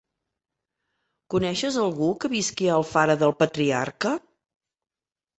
Coneixes algú que visqui a Alfara del Patriarca?